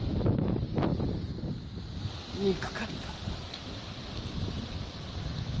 憎かった。